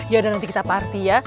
yaudah nanti kita party ya